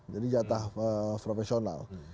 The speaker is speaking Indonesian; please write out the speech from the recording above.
jadi jatah profesional